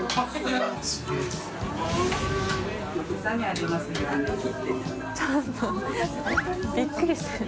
みんなびっくりしてる。